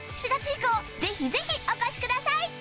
４月以降ぜひぜひお越しください！